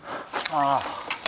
ああ。